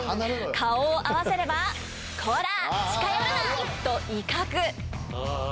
顔を合わせれば「コラ近寄るな！」と威嚇。